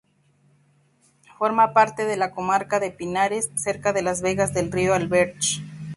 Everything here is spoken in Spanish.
Forma parte de la Comarca de Pinares, cerca de las vegas del río Alberche.